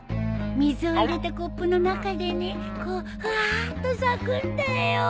水を入れたコップの中でねこうふわっと咲くんだよ。